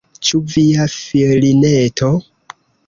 Ĉu via filineto?